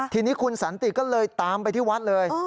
ทีนี้คุณสันติก็เลยตามไปที่วัดเลย